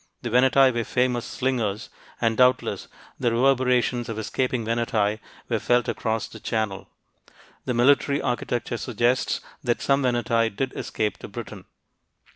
The Veneti were famous slingers, and doubtless the reverberations of escaping Veneti were felt across the Channel. The military architecture suggests that some Veneti did escape to Britain.